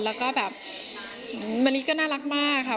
แล้วก็แบบมะลิก็น่ารักมากค่ะ